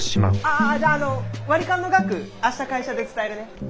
じゃああの割り勘の額明日会社で伝えるね。